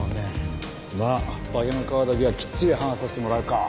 まあ化けの皮だけはきっちり剥がさせてもらうか。